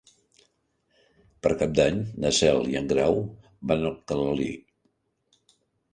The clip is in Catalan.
Per Cap d'Any na Cel i en Grau van a Alcalalí.